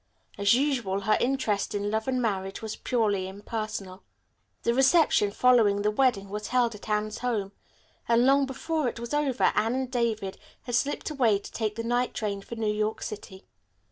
As usual, her interest in love and marriage was purely impersonal. The reception following the wedding was held at Anne's home, and long before it was over Anne and David had slipped away to take the night train for New York City.